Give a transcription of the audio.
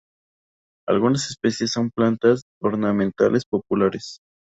Algunas especies son plantas ornamentales populares.